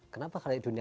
kenapa halayak dunia